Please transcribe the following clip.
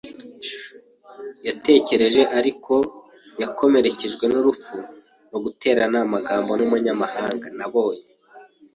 yatekereje ariko ko yakomerekejwe n'urupfu mu guterana amagambo n'umunyamahanga. Nabonye